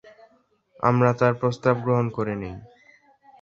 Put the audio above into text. আমরা তার প্রস্তাব গ্রহণ করে নেই।'